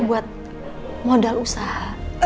buat modal usaha